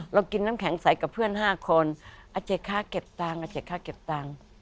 กินน้ำแข็งใสกับเพื่อน๕คนอาเจ๊คะเก็บตังค์อาเจ๊คะเก็บตังค์